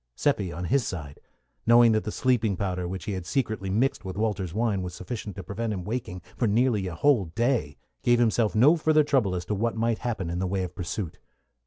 Seppi, on his side, knowing that the sleeping powder which he had secretly mixed with Walter's wine was sufficient to prevent him waking for nearly a whole day, gave himself no further trouble as to what might happen in the way of pursuit.